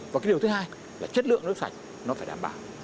và cái điều thứ hai là chất lượng nước sạch nó phải đảm bảo